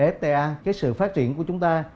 fta cái sự phát triển của chúng ta